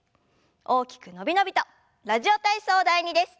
大きく伸び伸びと「ラジオ体操第２」です。